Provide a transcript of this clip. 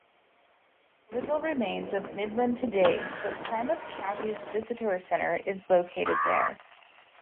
Little remains in Midland today, but Klamath County's visitor center is located there.